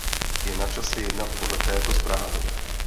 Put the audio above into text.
Je načase jednat podle této zprávy.